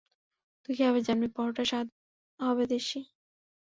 তুই কীভাবে জানবি, পরোটার স্বাদ হবে দেশি?